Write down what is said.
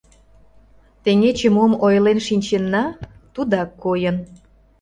— Теҥгече мом ойлен шинченна, тудак койын.